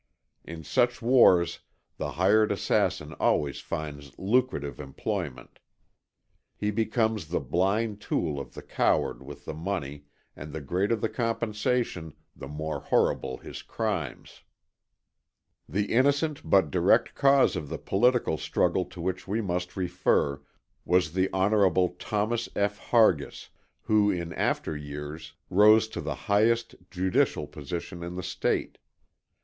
In such wars the hired assassin always finds lucrative employment. He becomes the blind tool of the coward with the money, and the greater the compensation the more horrible his crimes. The innocent but direct cause of the political struggle to which we must refer, was the Honorable Thomas F. Hargis, who, in after years, rose to the highest judicial position in the State.